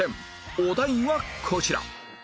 お題はこちら